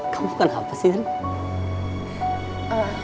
kamu kan apa sih rina